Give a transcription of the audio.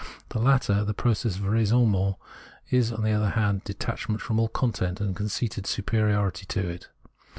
The latter, the process of raisonnement, is, on the other hand, detachment from all content, and conceited superiority to it.